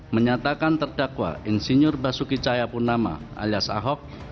menyatakan terdakwa insinyur basuki cahayapunama alias ahok